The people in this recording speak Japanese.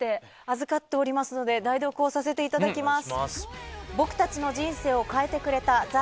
預かっておりますので代読をさせていただきます。